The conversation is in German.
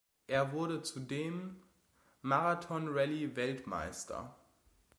Er wurde zudem Marathonrallye-Weltmeister.